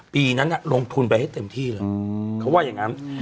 ปีนั้นลงทุนไปให้เต็มที่เลยเขาว่าอย่างนั้น